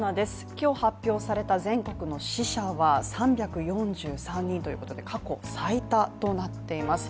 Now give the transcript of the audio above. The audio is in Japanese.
今日、発表された全国の死者は３４３人ということで過去最多となっています。